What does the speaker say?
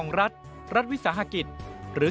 ๕เงินจากการรับบริจาคจากบุคคลหรือนิติบุคคล